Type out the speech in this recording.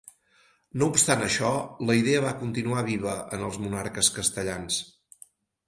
No obstant això, la idea va continuar viva en els monarques castellans.